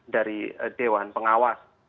dari dewan pengawas